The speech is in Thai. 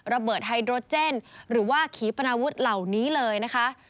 ไฮโดรเจนหรือว่าขีปนาวุธเหล่านี้เลยนะคะ